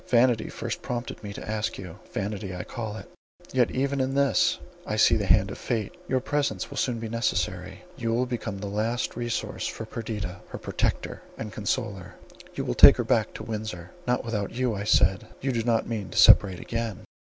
Vanity first prompted me to ask you: vanity, I call it; yet even in this I see the hand of fate—your presence will soon be necessary; you will become the last resource of Perdita, her protector and consoler. You will take her back to Windsor."— "Not without you," I said. "You do not mean to separate again?"